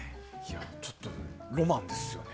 ちょっと、ロマンですよね。